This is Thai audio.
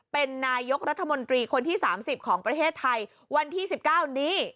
เป็นนายกรัฐมนตรีคนที่สามสิบของประเทศไทยวันที่สิบเก้านี้